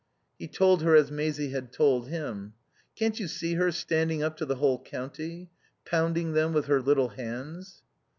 He told her as Maisie had told him. "Can't you see her, standing up to the whole county? Pounding them with her little hands."